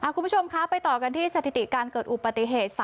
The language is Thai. คุณผู้ชมคะไปต่อกันที่สถิติการเกิดอุปติเหตุ